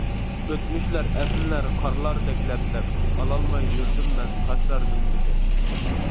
ئۆتمۈشلەر ئەسلىنەر قارلاردەك لەپ-لەپ، ئالالماي يۈردۈم مەن تاشلاردىن مېھىر.